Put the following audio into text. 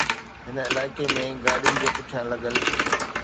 هن علائقي ۾ گاڏين جي پٺيان لڳل